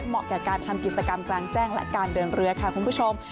เหมาะกับการทำกิจกรรมกลางแจ้งและการเดินเรือค่ะคุณผู้ชม